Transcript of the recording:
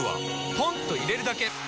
ポンと入れるだけ！